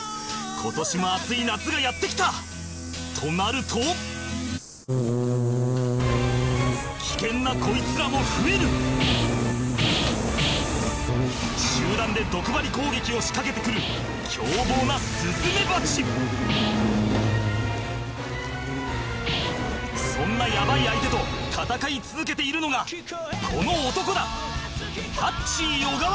今年も暑い夏がやって来た！となると危険なこいつらも増える集団で毒針攻撃を仕掛けて来る凶暴なそんなヤバイ相手と戦い続けているのがこの男だ！